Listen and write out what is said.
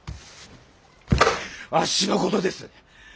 あっしのことです。